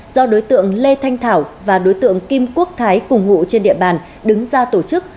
do đối tượng lê thanh thảo và đối tượng kim quốc thái cùng ngụ trên địa bàn đứng ra tổ chức